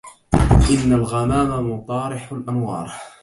إن الغمام مطارح الأنوار